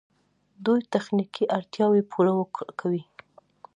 دوی تخنیکي اړتیاوې پوره کوي.